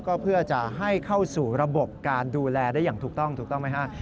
ก็เพื่อจะให้เข้าสู่ระบบการดูแลได้อย่างถูกต้องถูกต้องไหมฮะ